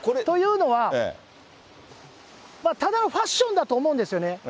というのは、ただのファッションだと思うんですよね。